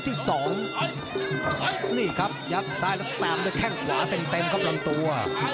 เต็มครับลำตัว